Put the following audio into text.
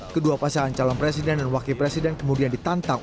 kedua pasangan calon presiden dan wakil presiden kemudian ditantang